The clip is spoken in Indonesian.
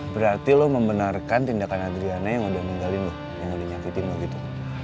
berarti lo membenarkan tindakan adriana yang udah meninggalin lo yang udah nyakitin loh gitu